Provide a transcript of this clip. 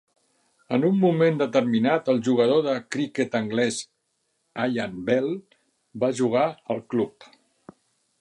En un moment determinat, el jugador de criquet anglès Ian Bell va jugar al club.